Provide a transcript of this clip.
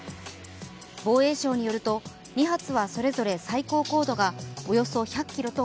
防衛省によると、２発はそれぞれ最高高度がおよそ１００ｋｍと５０ｋｍ。